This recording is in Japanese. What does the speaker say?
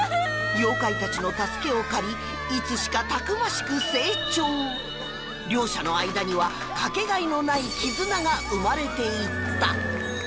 妖怪たちの助けを借りいつしかたくましく成長両者の間にはかけがえのない絆が生まれていった